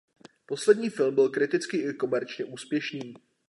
Poslední film byl kriticky i komerčně úspěšný.